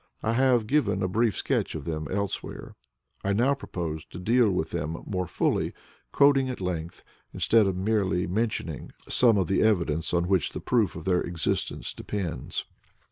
I have given a brief sketch of them elsewhere. I now propose to deal with them more fully, quoting at length, instead of merely mentioning, some of the evidence on which the proof of their existence depends.